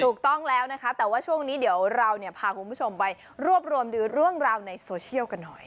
ถูกต้องแล้วนะคะแต่ว่าช่วงนี้เดี๋ยวเราเนี่ยพาคุณผู้ชมไปรวบรวมดูเรื่องราวในโซเชียลกันหน่อย